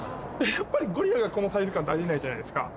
やっぱりゴリラがこのサイズ感ってあり得ないじゃないですか。